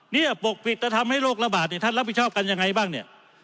ปกปิดจะทำให้โรคระบาดเนี่ยท่านรับผิดชอบกันยังไงบ้างเนี่ย